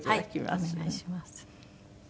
お願いします。